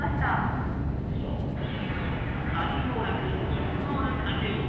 「かに道楽」インストール完了